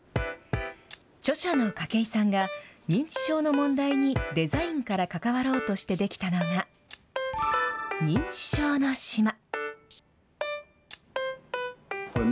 著者の筧さんが認知症の問題にデザインから関わろうとして出来たのが、認知症の島。